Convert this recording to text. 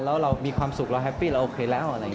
แล้วเรามีความสุขแล้วแฮปปี้แล้วโอเคแล้ว